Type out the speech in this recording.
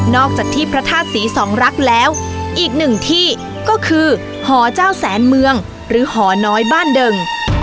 อกจากที่พระธาตุศรีสองรักแล้วอีกหนึ่งที่ก็คือหอเจ้าแสนเมืองหรือหอน้อยบ้านเดิง